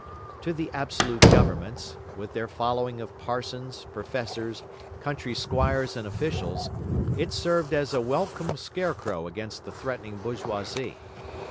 To the absolute governments, with their following of parsons, professors, country squires and officials, it served as a welcome scarecrow against the threatening bourgeoisie.